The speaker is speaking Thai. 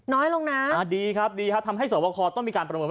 น้อยลงนะดีครับทำให้สโรบาคล์ต้องมีการประมวล